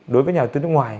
đối với nhà đầu tư nước ngoài